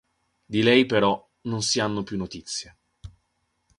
Di lei però non si hanno più notizie.